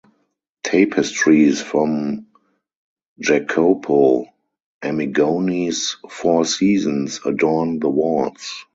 Tapestries from Jacopo Amigoni's "Four Seasons" adorn the walls.